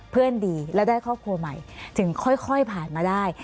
เพื่อนดีแล้วได้ครอบครัวใหม่ถึงค่อยผ่านมาได้